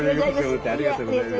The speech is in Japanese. ありがとうございます。